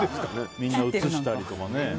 みんな写したりとかね。